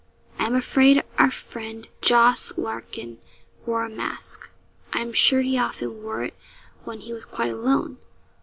I am afraid our friend Jos. Larkin wore a mask. I am sure he often wore it when he was quite alone.